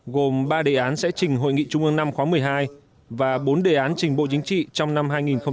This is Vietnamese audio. gồm ba đề án sẽ trình hội nghị trung ương năm khóa một mươi hai và bốn đề án trình bộ chính trị trong năm hai nghìn hai mươi